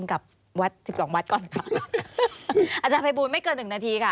กับวัด๑๒วัดก่อนอาจารย์ภัยบูรณ์ไม่เกิน๑นาทีค่ะ